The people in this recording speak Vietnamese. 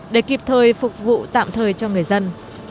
để kịp thời phục vụ tạm thời cho người dân